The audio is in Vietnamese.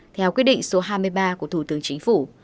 theo quyết định số hai mươi ba của thủ tướng chính phủ